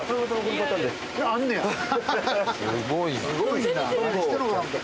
すごいな。